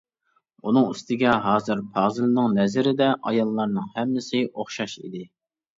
ئۇنىڭ ئۈستىگە ھازىر پازىلنىڭ نەزىرىدە ئاياللارنىڭ ھەممىسى ئوخشاش ئىدى.